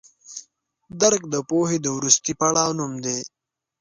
درک د پوهې د وروستي پړاو نوم دی.